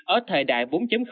ở thời đại bốn